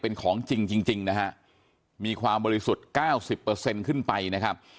เป็นของจริงจริงจริงนะฮะมีความบริสุทธิ์เก้าสิบเปอร์เซ็นต์ขึ้นไปนะครับ